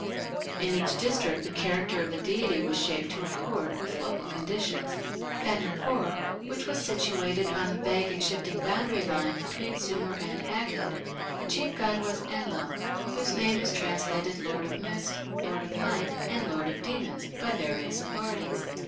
In each district the character of the deity was shaped to accord with local conditions. At Nippur, which was situated on the vague and shifting boundary line between Sumer and Akkad, the chief god was Enlil, whose name is translated "lord of mist", "lord of might", and "lord of demons" by various authorities.